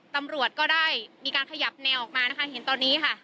ตำรวจก็ได้มีการขยับแนวออกมานะคะเห็นตอนนี้ค่ะ